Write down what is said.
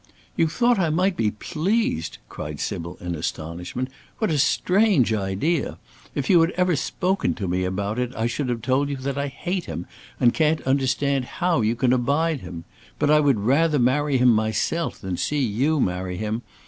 "You thought I might be pleased?" cried Sybil in astonishment. "What a strange idea! If you had ever spoken to me about it I should have told you that I hate him, and can't understand how you can abide him. But I would rather marry him myself than see you marry him.